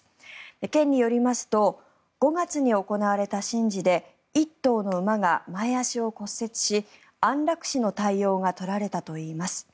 県によりますと５月に行われた神事で１頭の馬が前足を骨折し安楽死の対応が取られたといいます。